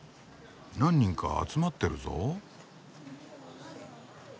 何人か集まってるぞ。